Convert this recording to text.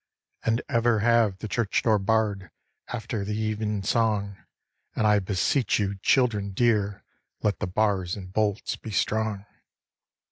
`And ever have the church door barr'd After the even song; And I beseech you, children dear, Let the bars and bolts be strong.